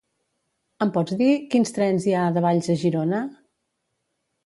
Em pots dir quins trens hi ha de Valls a Girona?